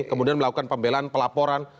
kemudian melakukan pembelan pelaporan